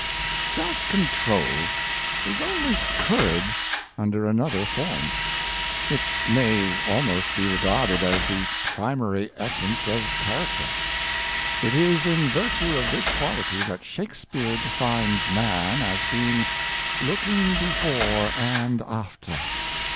ELF CONTROL is only courage under anothcj, form. It may almost be regarded as the primary essence of character. It is in virtue of this quality that Shakspeare defines man as a being " looking before and after."